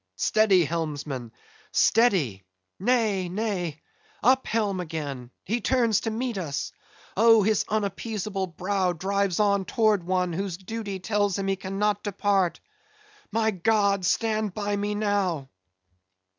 Steady! helmsman, steady. Nay, nay! Up helm again! He turns to meet us! Oh, his unappeasable brow drives on towards one, whose duty tells him he cannot depart. My God, stand by me now!"